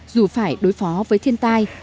dù phải đối phó với thiên tai